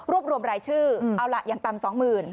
รวมรวมรายชื่อเอาล่ะอย่างต่ำ๒๐๐๐